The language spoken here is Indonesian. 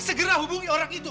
segera hubungi orang itu